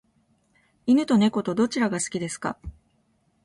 犬と猫とどちらが好きですか？